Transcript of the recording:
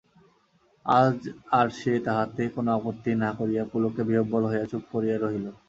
আজ আর সে তাহাতে কোনো আপত্তি না করিয়া পুলকে বিহ্বল হইয়া চুপ করিয়া রহিল।